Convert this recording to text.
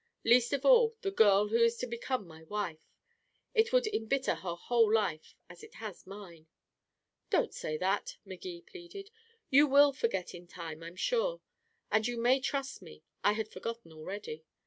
Least of all, the girl who is to become my wife it would embitter her whole life as it has mine." "Don't say that," Magee pleaded. "You will forget in time, I'm sure. And you may trust me I had forgotten already."